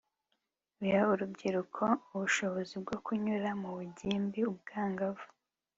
biha urubyiruko ubushobozi bwo kunyura mu bugimbi ubwangavu